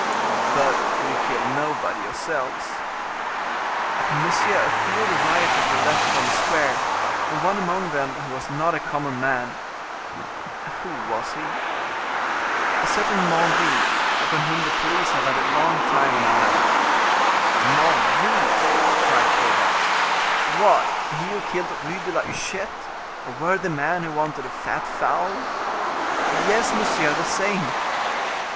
"But you killed nobody yourselves?" "Monsieur, a few of the rioters were left upon the square, and one among them who was not a common man." "Who was he?" "A certain Menneville, upon whom the police have a long time had an eye." "Menneville!" cried Colbert, "what, he who killed Rue de la Huchette, a worthy man who wanted a fat fowl?" "Yes, monsieur; the same."